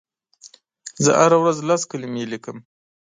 زه هره ورځ لس کلمې لیکم.